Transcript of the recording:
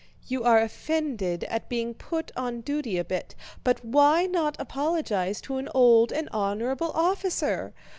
You are offended at being put on duty a bit, but why not apologize to an old and honorable officer?